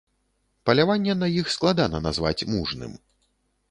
Паляванне на іх складана назваць мужным.